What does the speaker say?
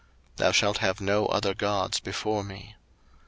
02:020:003 Thou shalt have no other gods before me.